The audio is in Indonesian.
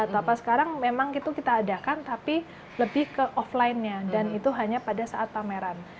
tapi sekarang memang itu kita adakan tapi lebih ke offline nya dan itu hanya pada saat pameran